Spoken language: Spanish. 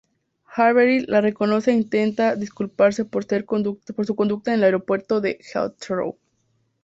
Harvey la reconoce e intenta disculparse por su conducta en el aeropuerto de Heathrow.